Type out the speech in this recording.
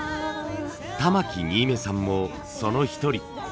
玉木新雌さんもその一人。